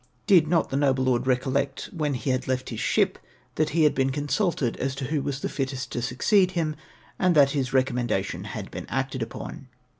Did not the noble lord recollect, when he had left his ship, that he had been con sulted as to who was the fittest to succeed him, and that his recommendation had been acted upon